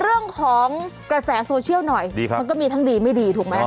เรื่องของกระแสโซเชียลหน่อยดีครับมันก็มีทั้งดีไม่ดีถูกไหม